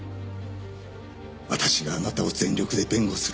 私があなたを全力で弁護する。